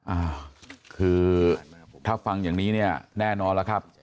อ่าคือถ้าฟังอย่างนี้เนี่ยแน่นอนแล้วครับ